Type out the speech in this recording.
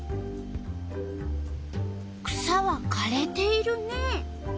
草はかれているね。